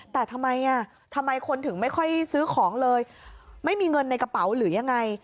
แต่ทำไมอ่ะทำไมคนถึงไม่ค่อยซื้อของเลยไม่มีเงินในกระเป๋าหรือยังไง